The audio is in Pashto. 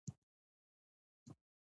بودیجه د عوایدو او مصارفو وړاندوینه ده.